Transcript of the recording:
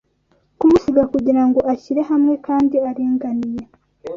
kumusiga kugirango ashyire hamwe, Kandi aringaniye